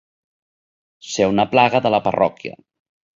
Ser una plaga de la parròquia.